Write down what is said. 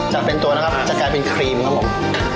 จะเป็นตัวนะครับจะกลายเป็นครีมครับผม